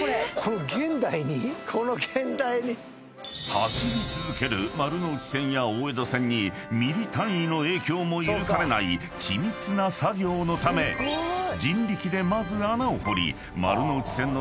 ［走り続ける丸ノ内線や大江戸線にミリ単位の影響も許されない緻密な作業のため人力でまず穴を掘り丸ノ内線のすぐ下に鉄骨を差し込む］